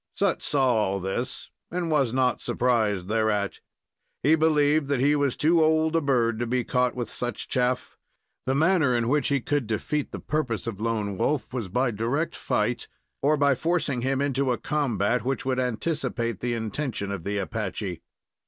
Sut saw all this and was not surprised thereat. He believed that he was too old a bird to be caught with such chaff. The manner in which he could defeat the purpose of Lone Wolf was by direct fight, or by forcing him into a combat which would anticipate the intention of the Apache.